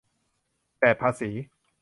แบบภาษี